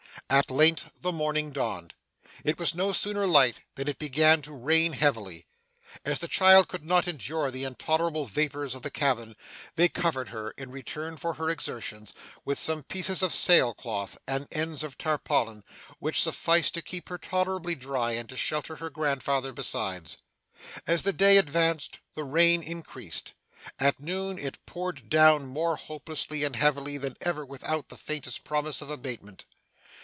At length the morning dawned. It was no sooner light than it began to rain heavily. As the child could not endure the intolerable vapours of the cabin, they covered her, in return for her exertions, with some pieces of sail cloth and ends of tarpaulin, which sufficed to keep her tolerably dry and to shelter her grandfather besides. As the day advanced the rain increased. At noon it poured down more hopelessly and heavily than ever without the faintest promise of abatement.